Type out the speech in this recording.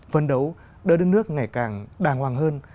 phấn đấu đưa đất nước ngày càng đàng hoàng hơn